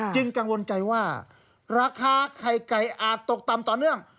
กังวลใจว่าราคาไข่ไก่อาจตกต่ำต่อเนื่อง